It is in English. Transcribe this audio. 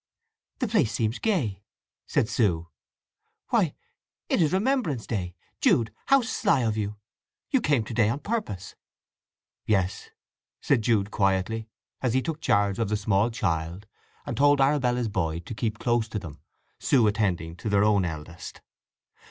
"The place seems gay," said Sue. "Why—it is Remembrance Day!—Jude—how sly of you—you came to day on purpose!" "Yes," said Jude quietly, as he took charge of the small child, and told Arabella's boy to keep close to them, Sue attending to their own eldest.